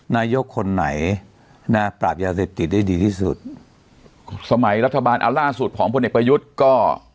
นายกคนไหนนะปราบยาเสพติดได้ดีที่สุดสมัยรัฐบาลอันล่าสุดของพลเอกประยุทธ์ก็